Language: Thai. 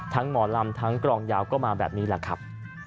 หมอลำทั้งกรองยาวก็มาแบบนี้แหละครับ